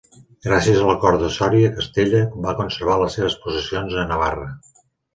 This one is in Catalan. Gràcies a l'Acord de Sòria Castella va conservar les seves possessions a Navarra.